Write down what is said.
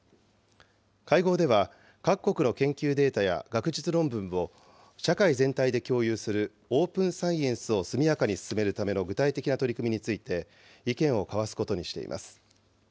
会合では、各国の研究データや学術論文を、社会全体で共有するオープン・サイエンスを速やかに進めるための具体的な取り組みについて、意見を交わすことにしています。